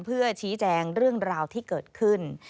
เพื่อชี้แจงเรื่องราวที่เกิดขึ้น